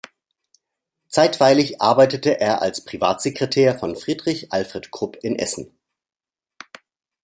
Zeitweilig arbeitete er als Privatsekretär von Friedrich Alfred Krupp in Essen.